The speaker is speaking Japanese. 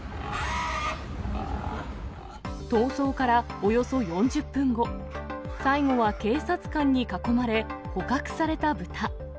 逃走からおよそ４０分後、最後は警察官に囲まれ、捕獲された豚。